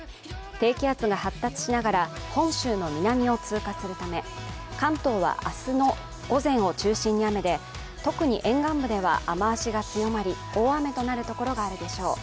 低気圧が発達しながら本州の南を通過するため、関東は明日の午前を中心に雨で特に沿岸部では雨足が強まり、大雨となるところであるでしょう。